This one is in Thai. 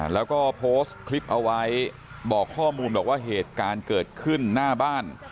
แล้วก็โพสต์คลิปเอาไว้บอกข้อมูลบอกว่าเหตุการณ์เกิดขึ้นหน้าบ้าน